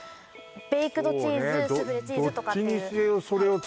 ベイクドチーズスフレチーズとかっていうそうね